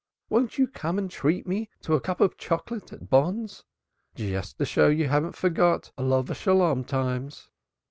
Won't you come and treat me to a cup of chocolate at Bonn's, just to show you haven't forgot Olov hasholom times?"